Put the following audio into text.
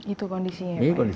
itu kondisinya pak